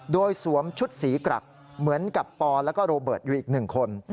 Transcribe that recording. โดยสวมชุดสีกรักเหมือนกับปอแล้วก็โรเบิร์ตอยู่อีก๑คน